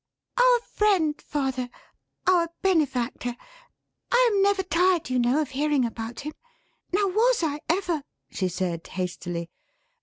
"Our friend, father; our benefactor. I am never tired you know of hearing about him. Now was I, ever?" she said, hastily.